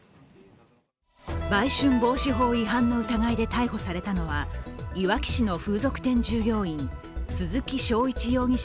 売春防止法違反の疑いで逮捕されたのはいわき市の風俗店従業員、鈴木正一容疑者